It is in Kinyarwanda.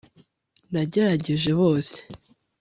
nagerageje bose